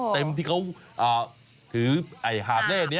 เต็มที่เขาถือไข่หาบเรศนี้